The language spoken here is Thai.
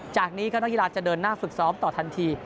จากนี้ก็นักกีฬาจะเดินหน้าฝึกซ้อมต่อทันที